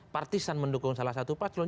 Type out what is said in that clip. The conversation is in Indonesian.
partisan mendukung salah satu paslon